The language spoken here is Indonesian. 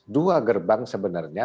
dua gerbang sebenarnya